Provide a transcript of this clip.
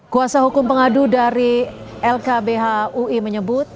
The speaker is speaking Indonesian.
kuasa hukum pengadu dari lkbh ui menyebut